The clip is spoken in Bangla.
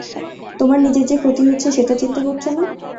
তোমার নিজের যে ক্ষতি হচ্ছে সেটা চিন্তা করছো না?